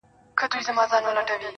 ورته وگورې په مــــــيـــنـــه.